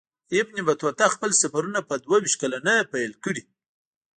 ابن بطوطه خپل سفرونه په دوه ویشت کلنۍ پیل کړي.